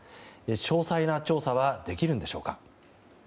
詳細な調査はできるんでしょうか。